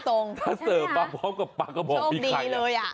ถ้าเสิร์ฟวัวกับปั๊บก็บอกไม่ใคร